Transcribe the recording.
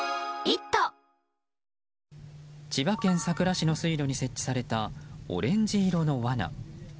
千葉県佐倉市の水路に設置されたオレンジ色のわな。